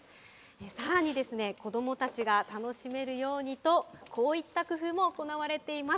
さらにですね、子どもたちが楽しめるようにと、こういった工夫も行われています。